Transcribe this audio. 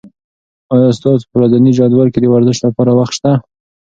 آیا ستاسو په ورځني جدول کې د ورزش لپاره وخت شته؟